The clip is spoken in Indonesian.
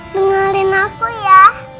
dengarin aku ya